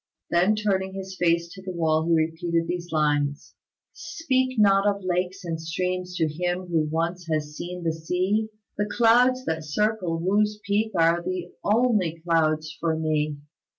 Then turning his face to the wall, he repeated these lines: "Speak not of lakes and streams to him who once has seen the sea; The clouds that circle Wu's peak are the only clouds for me."